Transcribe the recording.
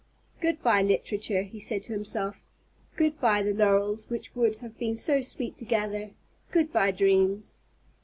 "Good by literature," he said to himself; "good by the laurels which would have been so sweet to gather. Good by dreams."